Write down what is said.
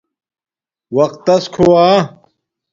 وقتس کھوا